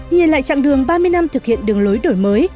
nhìn lại chặng đường ba mươi năm thực hiện đường lối đổi mới